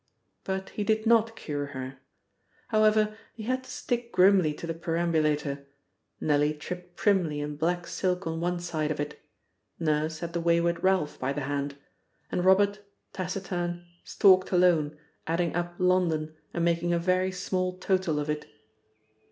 But he did not cure her. However, he had to stick grimly to the perambulator. Nellie tripped primly in black silk on one side of it. Nurse had the wayward Ralph by the hand. And Robert, taciturn, stalked alone, adding up London and making a very small total of it.